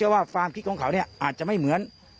ว่าฟางคิดของเขาเนี่ยอาจจะไม่เหมือน